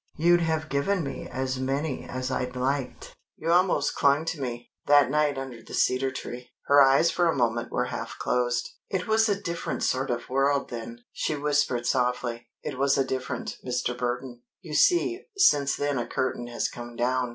You'd have given me as many as I'd liked. You almost clung to me that night under the cedar tree." Her eyes for a moment were half closed. "It was a different world then," she whispered softly. "It was a different Mr. Burton. You see, since then a curtain has come down.